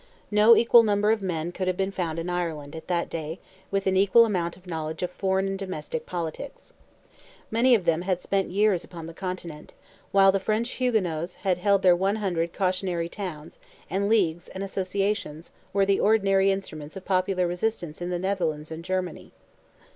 No equal number of men could have been found in Ireland, at that day, with an equal amount of knowledge of foreign and domestic politics. Many of them had spent years upon the Continent, while the French Huguenots held their one hundred "cautionary towns," and "leagues" and "associations" were the ordinary instruments of popular resistance in the Netherlands and Germany.